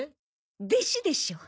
弟子でしょ。